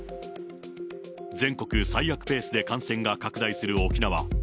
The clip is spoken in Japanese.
全国最悪ペースで感染が拡大する沖縄。